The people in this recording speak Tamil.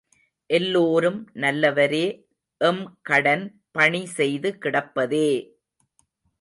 எல்லோரும் நல்லவரே எம்கடன் பணி செய்து கிடப்பதே!